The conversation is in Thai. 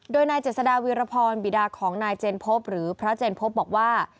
โดยนายเจษฎาวีรพรบิดาของนายเจนพบหรือพระเจนพบบอกว่า